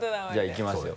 いきます。